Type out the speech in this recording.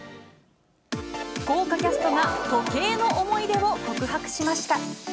豪華キャストが時計の思い出を告白しました。